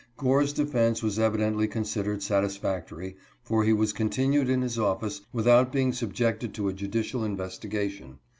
Gore's defense was evidently considered satisfactory, for he was continued in his office without being subjected to a judicial investi gation.